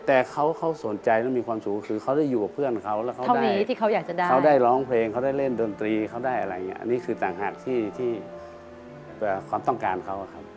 แต่เขาสนใจและมีความสุขคือเขาได้อยู่กับเพื่อนเขาแล้วเขาได้เขาได้ร้องเพลงเขาได้เล่นดนตรีเขาได้อะไรอย่างนี้อันนี้คือต่างหากที่ความต้องการเขาครับ